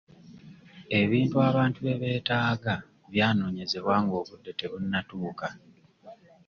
Ebintu abantu bye beetaaga byanoonyezebwa ng'obudde tebunnatuuka.